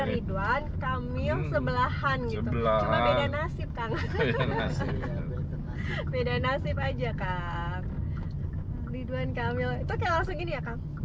ridwan kamil sebelahan sebelah berdasarkan beda nasib aja kak ridwan kamil itu kayak